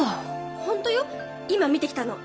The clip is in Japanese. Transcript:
ホントよ今見てきたの。